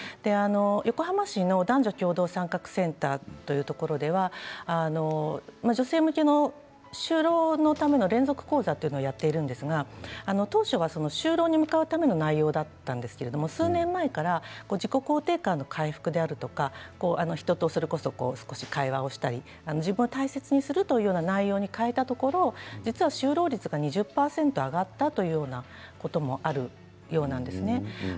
横浜市の男女共同参画センターというところでは女性向けの就労のための連続講座というのをやっているんですが当初は就労に向かうための内容だったんですけれど数年前から自己肯定感の回復であるとか人とそれこそ少し対話をしたり自分を大切にするという内容に変えたところ実は就労率が２０％上がったというようなこともあるようなんですね。